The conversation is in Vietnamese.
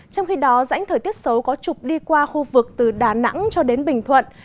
trong khi đó rãnh thời tiết xấu có trục đi qua khu vực từ đà nẵng cho đến bình thuận